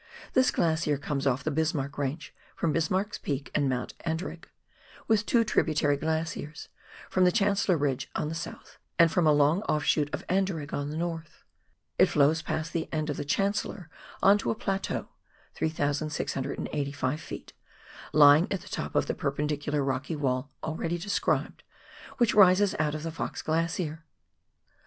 This glacier comes off the Bismarck Range, from Bismarck's Peak and Mount Anderegg, with two tributary glaciers, from the Chancellor Ridge on the south and from a long offsho t of Anderegg on the north. It flows past the end of the Chancellor on to a plateau (3,685 ft.) lying at the top of the perpendicular rocky wall already described, which rises out of the Fox Glacier.